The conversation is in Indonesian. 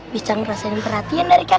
bisa ngerasain perhatian dari kakak